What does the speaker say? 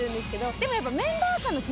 でもやっぱ。